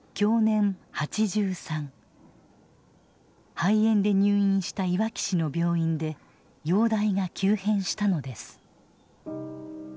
肺炎で入院したいわき市の病院で容体が急変したのです。